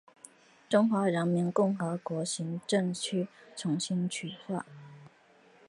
中华人民共和国行政区重新区划。